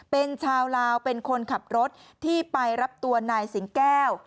เป็นชาวลาวเป็นคนขับรถที่ไปรับตัวนายสิงแก้ว